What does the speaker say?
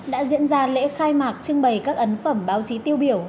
đã diễn ra lễ khai mạc trưng bày các ấn phẩm báo chí tiêu biểu